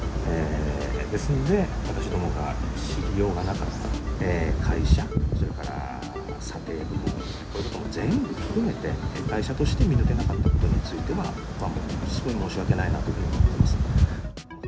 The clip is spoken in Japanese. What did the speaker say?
ですので、私どもが知りようがなかったと。会社、それから査定部門、こういうところも全部含めて、会社として見抜けなかったことについては、すごい申し訳ないなと思っています。